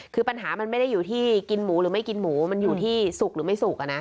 คือปัญหามันไม่ได้อยู่ที่กินหมูหรือไม่กินหมูมันอยู่ที่สุกหรือไม่สุก